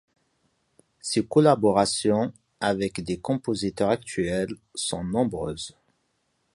Ses collaborations avec des compositeurs actuels sont nombreuses.